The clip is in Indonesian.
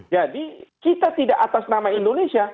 jadi kita tidak atas nama indonesia